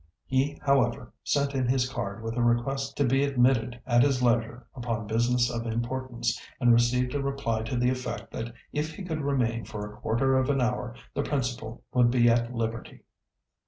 He, however, sent in his card with a request to be admitted at his leisure upon business of importance, and received a reply to the effect that if he could remain for a quarter of an hour, the principal would be at liberty.